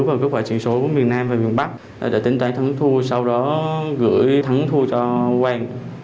các quả truyền số của miền nam và miền bắc đã tính toán thắng thu sau đó gửi thắng thu cho quang